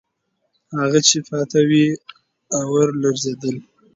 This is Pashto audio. هغه چې پاتې ول، آوار لړزېدل.